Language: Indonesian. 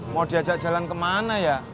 mau diajak jalan kemana ya